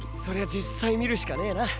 実際見るしかねぇな。